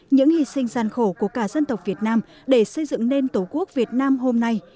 những hy sinh gian khổ của cả dân tộc việt nam để xây dựng nên tổ quốc việt nam hôm nay